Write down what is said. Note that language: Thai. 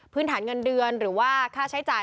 ฐานเงินเดือนหรือว่าค่าใช้จ่าย